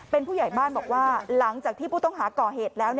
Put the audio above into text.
เป็นผู้ใหญ่บ้านบอกว่าหลังจากที่ผู้ต้องหาก่อเหตุแล้ว